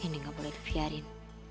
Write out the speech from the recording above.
ini gak boleh di fiarin